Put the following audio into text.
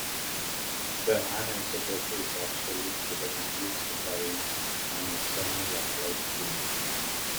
The anisotropy is actually induced by an external applied field.